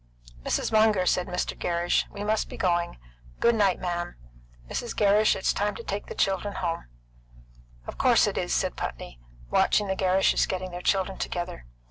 "Mrs. Munger," said Mr. Gerrish, "we must be going. Good night, ma'am. Mrs. Gerrish, it's time the children were at home." "Of course it is," said Putney, watching the Gerrishes getting their children together.